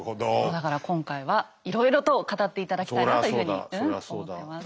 だから今回はいろいろと語って頂きたいなというふうにうん思ってます。